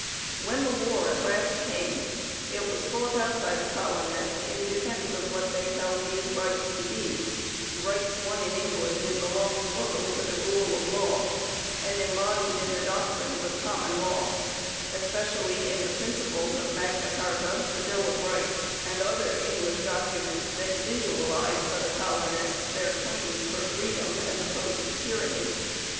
When the war at last came, it was fought out by the colonists in defence of what they held these rights to be rights won in England in the long struggle for the rule of law and embodied in the doctrines of Common Law, especially in the principles of Magna Carta, the Bill of Rights, and other English documents that visualized for the colonists their claims for freedom as opposed to tyranny.